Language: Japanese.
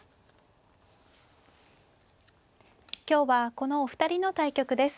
今日はこのお二人の対局です。